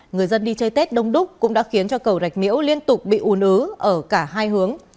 người dân đi chơi tết đông đúc cũng đã khiến cầu rạch miễu liên tục bị u nứ ở cả hai hướng